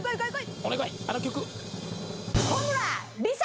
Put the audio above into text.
お願いあの曲！